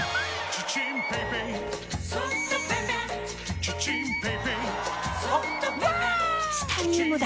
チタニウムだ！